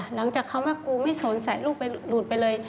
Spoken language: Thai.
หลังจากคำว่ากูไม่สนใส่ลูกไปหลุดไปเลย